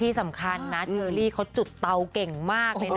ที่สำคัญนะเชอรี่เขาจุดเตาเก่งมากเลยนะ